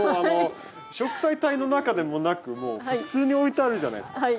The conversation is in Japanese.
もう植栽帯の中でもなくもう普通に置いてあるじゃないですか。